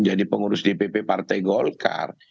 jadi pengurus dpp partai golkar